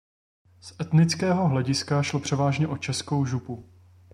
Z etnického hlediska šlo převážně o českou župu.